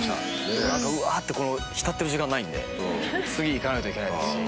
うわって浸ってる時間ないんで次行かないといけないですし。